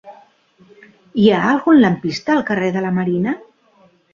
Hi ha algun lampista al carrer de la Marina?